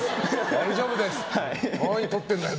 大丈夫です！